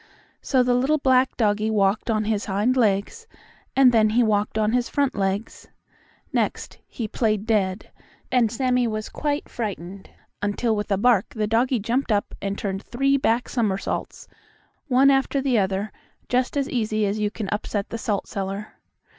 So the little black doggie walked on his hind legs, and then he walked on his front legs. Next, he played dead, and Sammie was quite frightened, until with a bark the doggie jumped up and turned three back somersaults, one after the other, just as easy as you can upset the salt cellar.